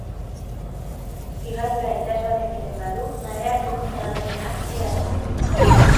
Higadura itsasoak egiten badu marearteko zabalgunea era daiteke.